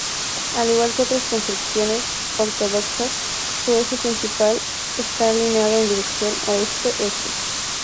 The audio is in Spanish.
Al igual que otras construcciones ortodoxas, su eje principal está alineado en dirección oeste-este.